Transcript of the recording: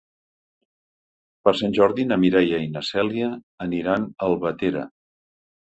Per Sant Jordi na Mireia i na Cèlia aniran a Albatera.